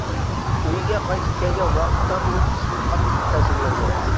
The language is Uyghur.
ئۆيىگە قايتىپ كەلگەن ۋاقىتتا ئۇ قىزدىن قاتتىق تەسىرلەندى.